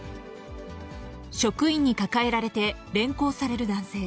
職員に抱えられて連行される男性。